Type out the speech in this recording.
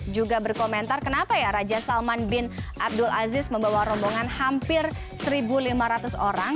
juga berkomentar kenapa ya raja salman bin abdul aziz membawa rombongan hampir satu lima ratus orang